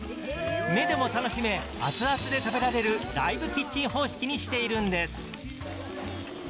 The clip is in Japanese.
目でも楽しめ、あつあつで食べられるライブキッチン方式にしているんです。